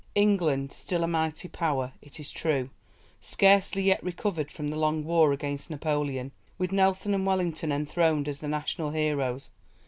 England still a mighty Power, it is true, scarcely yet recovered from the long war against Napoleon, with Nelson and Wellington enthroned as the national heroes.